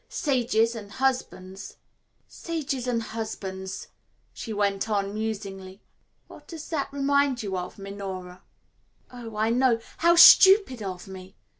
"Sages and husbands sage and husbands " she went on musingly, "what does that remind you of, Miss Minora?" "Oh, I know, how stupid of me!"